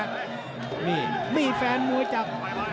นี่มีแฟนมวยจาก